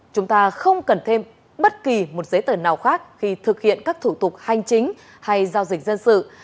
chúng ta không cần thêm bất kỳ một giấy tờ nào khác khi thực hiện các thủ tục hành chính hay giao dịch dân sự